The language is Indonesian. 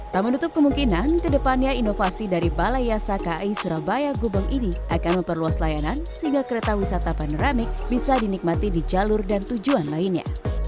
tak menutup kemungkinan ke depannya inovasi dari balai yasa kai surabaya gubeng ini akan memperluas layanan sehingga kereta wisata panoramik bisa dinikmati di jalur dan tujuan lainnya